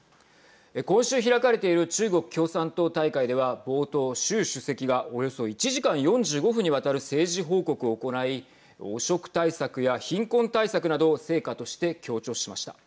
今週開かれている中国共産党大会では冒頭習主席がおよそ１時間４５分にわたる政治報告を行い汚職対策や貧困対策など成果として強調しました。